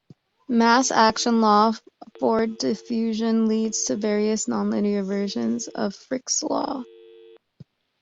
Mass action law for diffusion leads to various nonlinear versions of Fick's law.